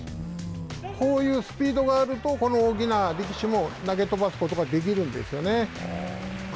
こういうスピードがあるとこの大きな力士も投げ飛ばすことができるんですよね。